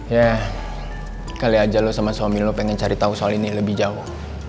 ya kali aja lo sama suami lu pengen cari tahu soal ini lebih jauh